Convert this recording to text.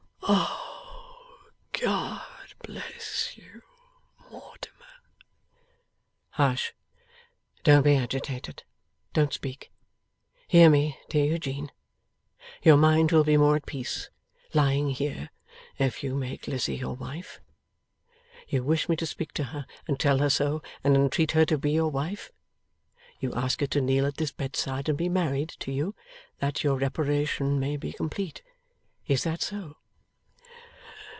'O God bless you, Mortimer!' 'Hush! Don't be agitated. Don't speak. Hear me, dear Eugene. Your mind will be more at peace, lying here, if you make Lizzie your wife. You wish me to speak to her, and tell her so, and entreat her to be your wife. You ask her to kneel at this bedside and be married to you, that your reparation may be complete. Is that so?